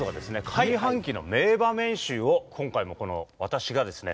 上半期の名場面集を今回もこの私がですね